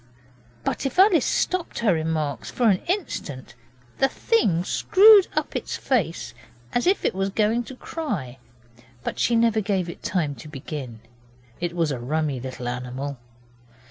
But if Alice stopped her remarks for an instant the thing screwed its face up as if it was going to cry, but she never gave it time to begin. It was a rummy little animal.